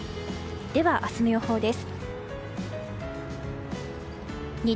では明日の予報です。